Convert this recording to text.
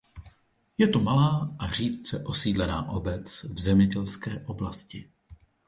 Je to malá a řídce osídlená obec v zemědělské oblasti.